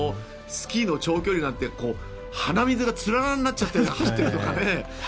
スキーの長距離なんて鼻水がつららになって走ってるとか。